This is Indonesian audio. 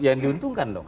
yang diuntungkan dong